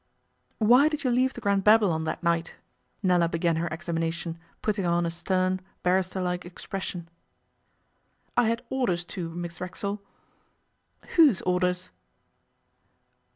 'Why did you leave the Grand Babylon that night?' Nella began her examination, putting on a stern, barrister like expression. 'I had orders to, Miss Racksole.' 'Whose orders?